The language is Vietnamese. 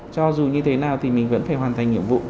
cho dù như thế nào thì mình vẫn phải hoàn thành nhiệm vụ